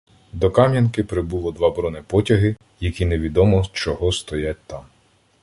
До Кам'янки прибуло два бронепотяги, які невідомо чого стоять там.